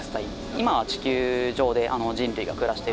今は地球上で人類が暮らしている。